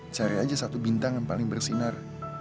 cari aja satu bintang yang paling bersinar